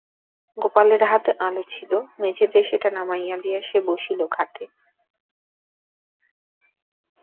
গোপালের হাতে আলো ছিল, মেঝেতে সেটা নামাইয়া দিয়া সে বসিল খাটে।